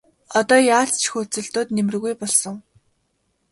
Одоо яаж ч хөөцөлдөөд нэмэргүй болсон.